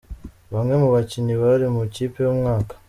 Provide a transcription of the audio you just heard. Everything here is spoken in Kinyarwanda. Bamwe mu bakinnyi bari mu ikipe y'umwaka.